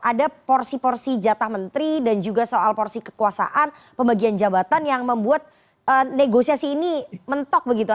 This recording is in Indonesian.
ada porsi porsi jatah menteri dan juga soal porsi kekuasaan pembagian jabatan yang membuat negosiasi ini mentok begitu